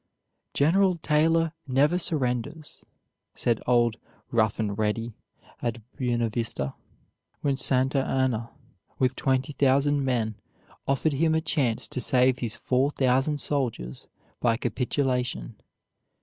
"General Taylor never surrenders," said old "Rough and Ready" at Buena Vista, when Santa Anna with 20,000 men offered him a chance to save his 4,000 soldiers by capitulation.